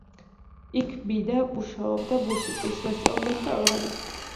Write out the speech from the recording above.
იქ მიინა მუშაობდა მუსიკის მასწავლებლად და ორღანისტად.